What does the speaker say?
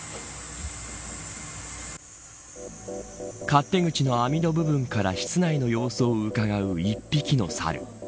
勝手口の網戸部分から室内の様子をうかがう１匹のサル。